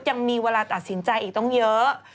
ยังมีเวลาตัดสินใจอีกต้องเยอะ